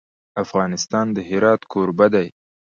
افغانستان د هرات کوربه دی.